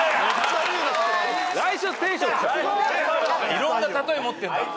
いろんな例え持ってんだ。